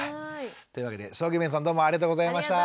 というわけで將基面さんどうもありがとうございました。